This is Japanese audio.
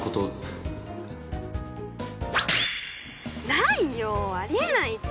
ないよあり得ないって。